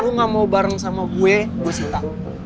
lu gak mau bareng sama gue gue sita